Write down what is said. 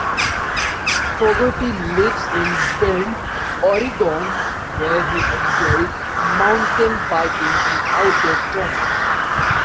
Fogarty lives in Bend, Oregon, where he enjoys mountain biking and outdoor training.